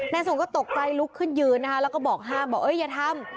ส่งก็ตกใจลุกขึ้นยืนนะคะแล้วก็บอกห้ามบอกเอ้ยอย่าทำ